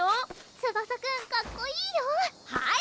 ツバサくんかっこいいよはい！